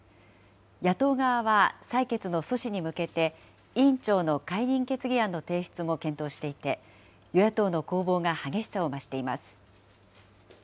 野党側は採決の阻止に向けて、委員長の解任決議案の提出も検討していて、与野党の攻防が激しさを増しています。